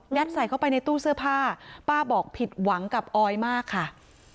ใส่เข้าไปในตู้เสื้อผ้าป้าบอกผิดหวังกับออยมากค่ะ